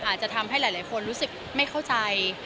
อาจจะทำให้หลายคนรู้สึกไม่เข้าใจ